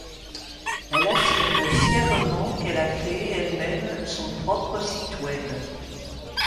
Elle affirme fièrement qu'elle a créé elle-même son propre site web.